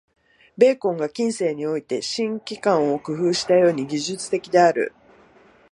ベーコンが近世において「新機関」を工夫したように、技術的である。